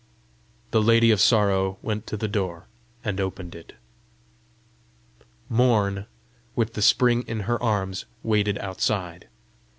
The Lady of Sorrow went to the door and opened it. Morn, with the Spring in her arms, waited outside.